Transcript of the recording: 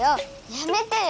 やめてよ！